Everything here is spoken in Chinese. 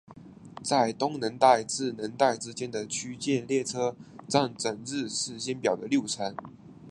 在东能代至能代之间的区间列车占整日时间表的六成。